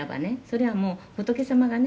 それはもう仏様がね